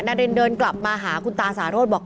นารินเดินกลับมาหาคุณตาสาโรธบอก